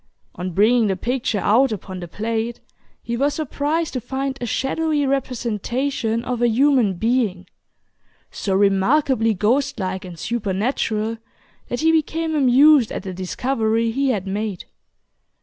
On bringing the picture out upon the plate, he was surprised to find a shadowy representation of a human being, so remarkably ghostlike and supernatural, that he became amused at the discovery he had made.